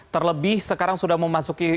terlebih sekarang sudah memasuki